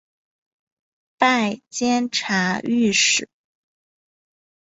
拜监察御史。